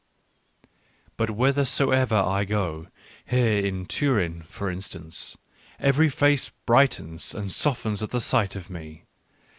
But whither soever I go, here in Turin, for instance, every | face brightens and softens at the sight of me.